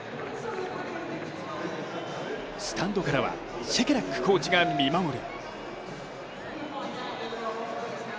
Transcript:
スタンドからはシェケラックコーチが見守る。